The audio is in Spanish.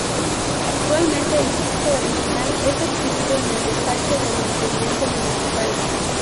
Actualmente el dibujo original es exhibido en el despacho del Intendente Municipal.